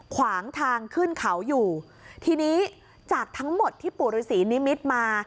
ขวางทางขึ้นเขาอยู่ทีนี้จากทั้งหมดที่ปู่ฤษีนิมิตรมา